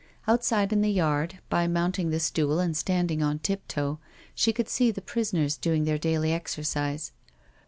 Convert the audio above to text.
Outside in the yard, by mounting the stool and standing on tip toe, she could see the prison ers doing their daily exercise.